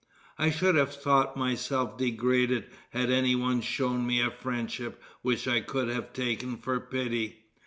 I should have thought myself degraded had any one shown me a friendship which I could have taken for pity.